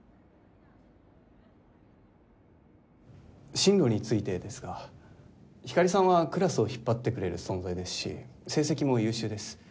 進路についてですがひかりさんはクラスを引っ張ってくれる存在ですし成績も優秀です。